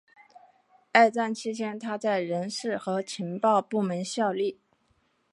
二战期间他在人事和情报部门效力。